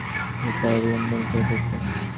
অতএব এই বেলা যাহা-হয় একটা উপায় অবলম্বন করা দরকার।